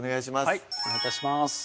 はいお願い致します